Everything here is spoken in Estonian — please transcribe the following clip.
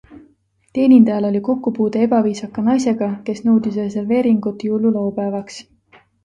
Teenindajal oli kokkupuude ebaviisaka naisega, kes nõudis reserveeringut jõululaupäevaks.